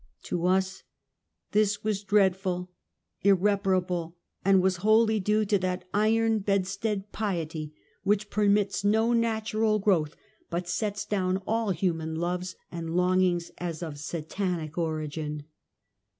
To us, this was dreadful, irreparable, and was wholly due to that iron bedstead piety which permits no natural growth, but sets down all human loves and longings as of Satanic origin.